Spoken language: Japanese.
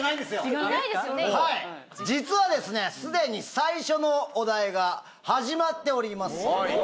すでに最初のお題が始まっております。